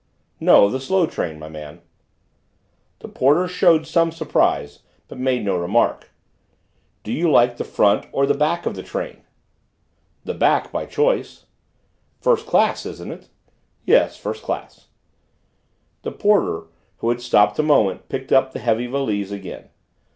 "No, the slow train, my man." The porter showed some surprise, but made no remark. "Do you like the front or the back of the train?" "The back by choice." "First class, isn't it?" "Yes, first class." The porter, who had stopped a moment, picked up the heavy valise again.